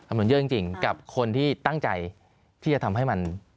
นุนเยอะจริงกับคนที่ตั้งใจที่จะทำให้มัน